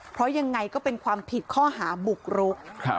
เพราะยังไงก็เป็นความผิดข้อหาบุกรุก